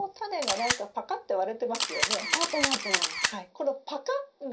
このパカッが。